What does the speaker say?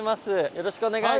よろしくお願いします。